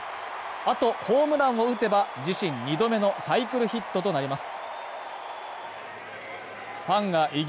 あとホームランを打てば自身２度目のサイクルヒットとなります。